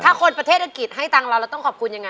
ถ้าคนประเทศอังกฤษให้ตังค์เราเราต้องขอบคุณยังไง